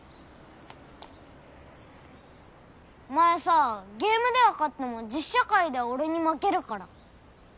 お前さゲームでは勝っても実社会では俺に負けるから。